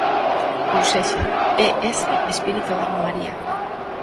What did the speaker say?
Ou sexa, é ese espírito da romaría.